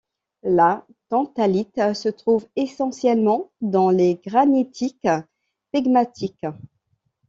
La tantalite se trouve essentiellement dans les granitiques pegmatiques.